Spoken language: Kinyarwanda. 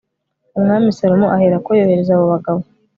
umwami salomo aherako yohereza abobagabo